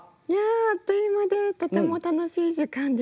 あっという間でとても楽しい時間でした。